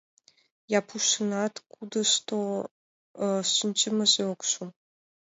Япушынат кудышто шинчымыже ок шу.